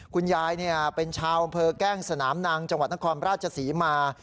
คุณยายเป็นชาวอำเภอแก้งสนามนางจังหวัดนครราชศรีมา